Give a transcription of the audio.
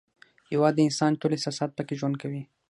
هېواد د انسان ټول احساسات پکې ژوند کوي.